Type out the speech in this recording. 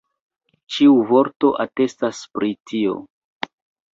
Ĉiu vorto atestas pri tio.